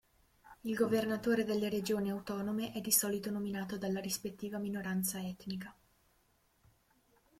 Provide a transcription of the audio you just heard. Il governatore delle regioni autonome è di solito nominato dalla rispettiva minoranza etnica.